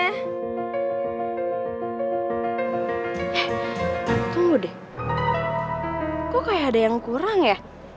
eh tunggu deh kok kayak ada yang kurang ya